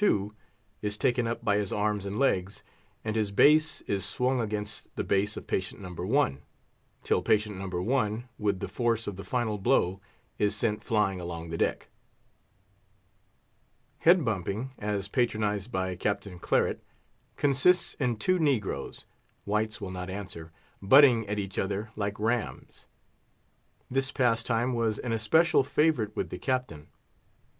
2 is taken up by his arms and legs, and his base is swung against the base of patient No. 1, till patient No. 1, with the force of the final blow, is sent flying along the deck. Head bumping, as patronised by Captain Claret, consists in two negroes (whites will not answer) butting at each other like rams. This pastime was an especial favourite with the Captain.